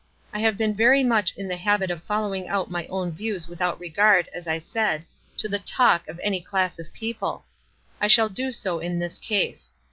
I have been very much m the habit of following out my own views without regard, as I said, to the talk of any WISE AND OTHERWISE. 261 class of people. I shall do so in this case.